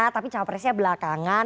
tapi capresnya belakangan